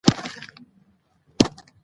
پښتو الفبې له عربي څخه اخیستل شوې ده.